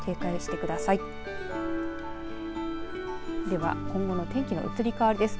では今後の天気の移り変わりです。